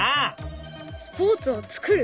スポーツを作る？